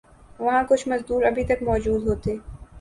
وہاں کچھ مزدور ابھی تک موجود ہوتے